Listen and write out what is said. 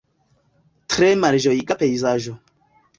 Tre malĝojiga pejzaĝo.